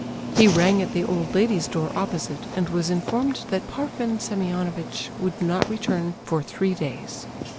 He rang at the old lady's door opposite, and was informed that Parfen Semionovitch would not return for three days.